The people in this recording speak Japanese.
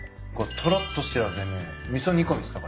とろっとして味噌煮込みですか？